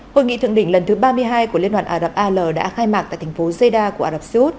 hội nghị thượng đỉnh lần thứ ba mươi hai của liên hoàn ả rập al đã khai mạc tại thành phố zeda của ả rập xê út